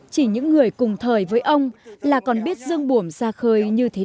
chỉ những người cùng thời với ông là còn biết dương buồm xa khơi như thế nào